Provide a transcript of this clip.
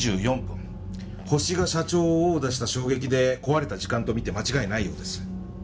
ホシが社長を殴打した衝撃で壊れた時間と見て間違いないようです。